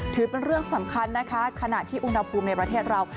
ถือเป็นเรื่องสำคัญนะคะขณะที่อุณหภูมิในประเทศเรา